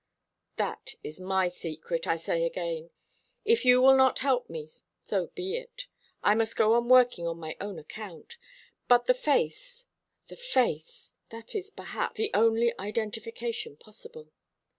"That is my secret, I say again. If you will not help me, so be it. I must go on working on my own account. But the face the face that is, perhaps, the only identification possible.